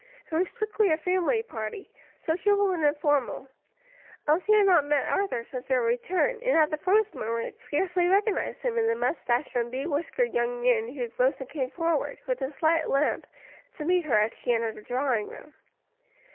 It was strictly a family party, sociable and informal. Elsie had not met Arthur since their return, and at the first moment scarcely recognized him in the moustached and bewhiskered young man who rose and came forward, with a slight limp, to meet her as she entered the drawing room.